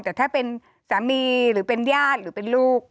แต่ถ้าเป็นสามีหรือเป็นญาติหรือเป็นลูก